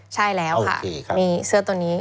ใช่แล้วค่ะมีเสื้อตัวนี้